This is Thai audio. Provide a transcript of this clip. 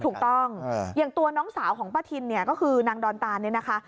ถูกต้องอย่างตัวน้องสาวของป้าทินเนี่ยก็คือนางดอนตานเนี่ยนะคะ